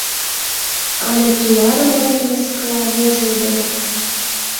Але «тулар» манын мыскыла, вожылдымо!